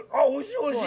おいしい！